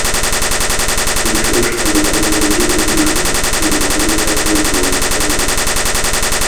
Іншыя ж законы толькі прыбліжаныя і выконваюцца пры пэўных умовах.